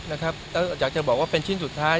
แล้วอยากจะบอกว่าเป็นชิ้นสุดท้าย